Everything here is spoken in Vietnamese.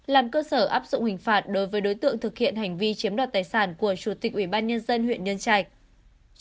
làm cơ sở áp dụng hình phạt đối với đối tượng thực hiện hành vi chiếm đoạt tài sản của chủ tịch ủy ban nhân dân huyện nhân trạch